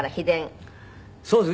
そうですね。